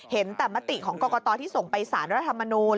เห็นแต่มติของกรกตที่ส่งไปสารรัฐมนูล